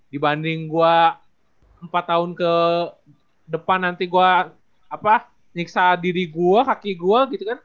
dibanding gue empat tahun ke depan nanti gue nyiksa diri gue kaki gue gitu kan